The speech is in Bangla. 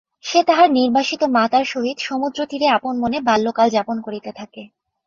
সে তাহার নির্বাসিত মাতার সহিত সমুদ্রতীরে আপনমনে বাল্যকাল যাপন করিতে থাকে।